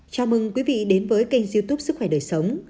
chào mừng quý vị đến với kênh youtube sức khỏe đời sống